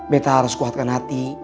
peta harus kuatkan hati